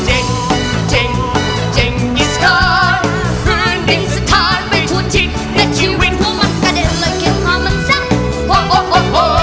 เจ่งเจ่งเจ่งดีสการคืนบินสถานไปชูชิดแม่ชีวิตชั่วมันกระเด็นหน่อยแคลึคามันซ้า